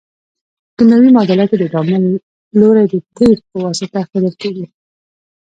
په کیمیاوي معادله کې د تعامل لوری د تیر په واسطه ښودل کیږي.